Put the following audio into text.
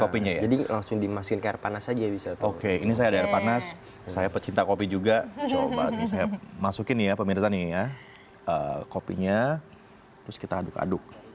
pemirsa nih ya kopinya terus kita aduk aduk